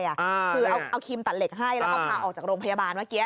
คือเอาครีมตัดเหล็กให้แล้วก็พาออกจากโรงพยาบาลเมื่อกี้